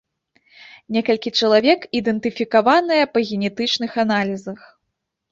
Некалькі чалавек ідэнтыфікаваныя па генетычных аналізах.